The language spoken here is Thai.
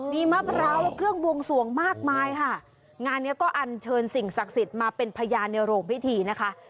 มีมะพร้าวเครื่องบวงสวงมากมายค่ะงานเนี้ยก็อันเชิญสิ่งศักดิ์สิทธิ์มาเป็นพยานในโรงพิธีนะคะ